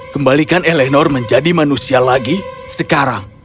kembalikan eleanor menjadi manusia lagi sekarang